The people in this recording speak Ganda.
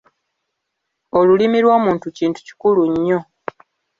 Olulimi lw'omuntu kintu kikulu nnyo.